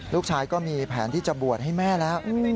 ก็มีแผนที่จะบวชให้แม่แล้ว